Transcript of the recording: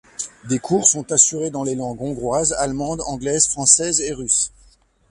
Des cours sont assurés dans les langues hongroise, allemande, anglaise, française et russe.